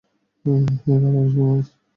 হেই, ভালোবাসি তোমায়।